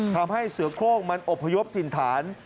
ทำให้เสือโครงมันอบพยพถิ่นฐาน